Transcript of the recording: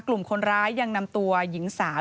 กลุ่มคนร้ายยังนำตัวหญิงสาว